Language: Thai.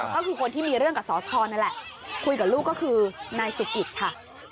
ก็คือคนที่มีเรื่องกับสอทรนั่นแหละคุยกับลูกก็คือนายสุกิตค่ะ